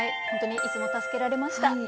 本当にいつも助けられました。